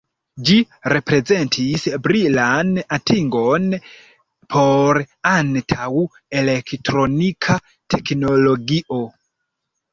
Ĝi reprezentis brilan atingon por antaŭ-elektronika teknologio.